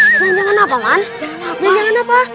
jangan jangan apa man jangan jangan apa